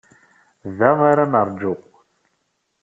Da ara neṛju.